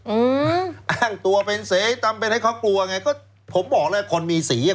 อืมอ้างตัวเป็นเสตำเป็นให้เขากลัวไงก็ผมบอกแล้วคนมีสีอ่ะ